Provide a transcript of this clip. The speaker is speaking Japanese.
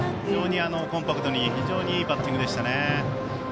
非常にコンパクトに非常にいいバッティングでしたね。